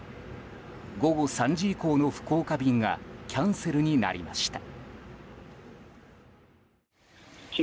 午後３時以降の福岡便がキャンセルになりました。